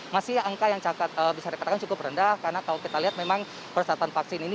masih angka yang bisa dikatakan cukup rendah karena kalau kita lihat memang persyaratan vaksin ini